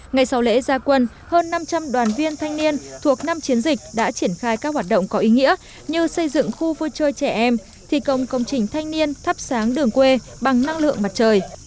ngày sau lễ gia quân hơn năm trăm linh đoàn viên thanh niên thuộc năm chiến dịch đã triển khai các hoạt động có ý nghĩa như xây dựng khu vui chơi trẻ em thi công công trình thanh niên thắp sáng đường quê bằng năng lượng mặt trời